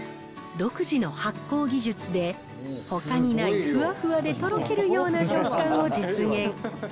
独自の発酵技術で、ほかにないふわふわでとろけるような食感を実現。